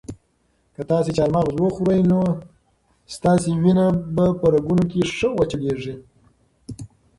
که تاسي چهارمغز وخورئ نو ستاسو وینه به په رګونو کې ښه چلیږي.